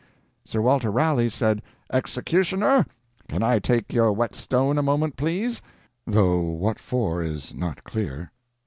Sir Walter Raleigh said, "Executioner, can I take your whetstone a moment, please?" though what for is not clear.